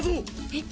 えっ。